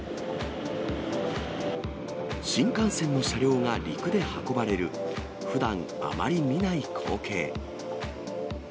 新幹線の車両が陸で運ばれる、ふだん、あまり見ない光景。